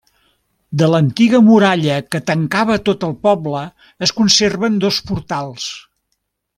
De l'antiga muralla que tancava tot el poble es conserven dos portals.